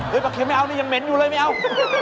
ปลาเค็มไม่เอานี่ยังเหม็นอยู่เลยไม่เอา